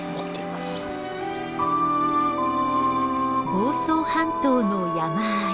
房総半島の山あい。